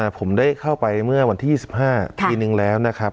ผมได้เข้าไปเมื่อวันที่๒๕ปีนึงแล้วนะครับ